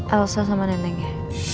elsa sama neneknya